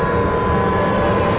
aku akan menang